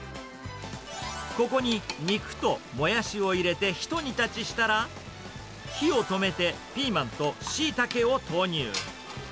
ここに肉とモヤシを入れて、一煮立ちしたら、火を止めて、ピーマンとシイタケを投入。